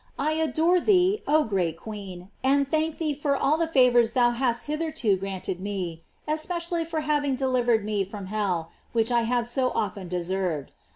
I adore thee, oh great queen, and thank thee for all the fa vors thou hast hitherto granted me, especially for having delivered me from hell, which I have so often deserved.